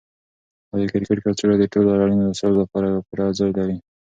دا د کرکټ کڅوړه د ټولو اړینو وسایلو لپاره پوره ځای لري.